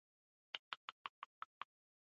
انار د افغانستان د اقلیم ځانګړتیا ده.